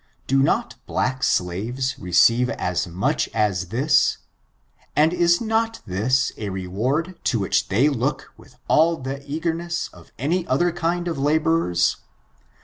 Do not black slaves receive as much as this, and is not this a reward to which they look with all the eagerness of any other kind of laborers?